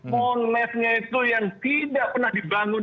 monasnya itu yang tidak pernah dibangun